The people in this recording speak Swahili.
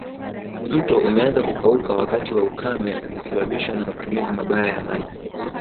Mto umeanza kukauka wakati wa ukame umesababishwa na matumizi mabaya ya maji